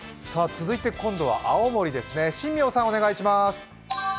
続いて、今度は青森ですね。